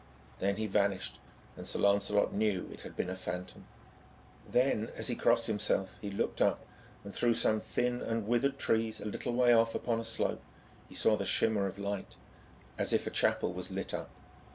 Then he vanished, and Sir Lancelot knew it had been a phantom. Then as he crossed himself, he looked up, and through some thin and withered trees a little way off upon a slope he saw the shimmer of light, as if a chapel was lit up.